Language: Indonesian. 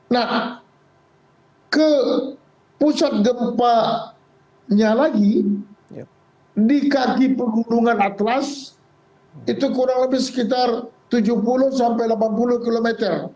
nah ke pusat gempanya lagi di kaki pegunungan atlas itu kurang lebih sekitar tujuh puluh sampai delapan puluh km